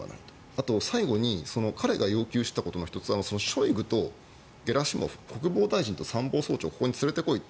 あと最後に彼が要求したことの１つはショイグとゲラシモフ国防大臣と参謀総長をここに連れて来いと。